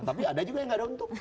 tapi ada juga yang nggak ada untung